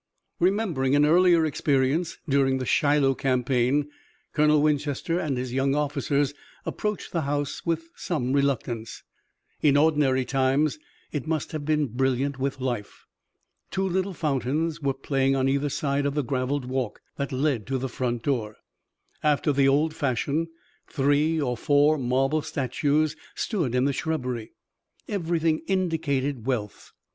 Remembering an earlier experience during the Shiloh campaign Colonel Winchester and his young officers approached the house with some reluctance. In ordinary times it must have been brilliant with life. Two little fountains were playing on either side of the graveled walk that led to the front door. After the old fashion, three or four marble statues stood in the shrubbery. Everything indicated wealth.